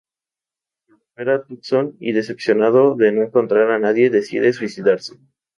Al volver a Tucson, y decepcionado de no encontrar a nadie, decide suicidarse.